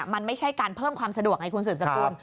มันไม่ใช่การเพิ่มความสะดวกไงคุณสืบสกุล